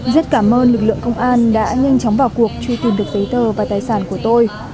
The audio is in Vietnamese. rất cảm ơn lực lượng công an đã nhanh chóng vào cuộc truy tìm được giấy tờ và tài sản của tôi